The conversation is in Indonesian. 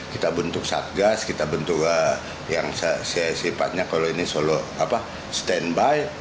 kita bentuk satgas kita bentuk yang sifatnya kalau ini solo standby